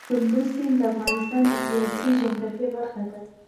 کندز سیند د افغانستان د سیاسي جغرافیه برخه ده.